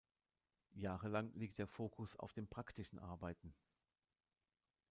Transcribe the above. Jahrgang liegt der Fokus auf dem praktischen Arbeiten.